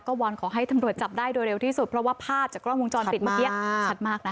วอนขอให้ตำรวจจับได้โดยเร็วที่สุดเพราะว่าภาพจากกล้องวงจรปิดเมื่อกี้ชัดมากนะ